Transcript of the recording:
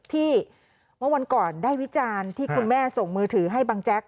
เมื่อวันก่อนได้วิจารณ์ที่คุณแม่ส่งมือถือให้บังแจ๊ก